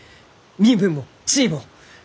身分も地位も。